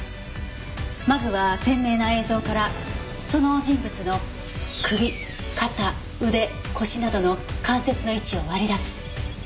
まずは鮮明な映像からその人物の首肩腕腰などの関節の位置を割り出す。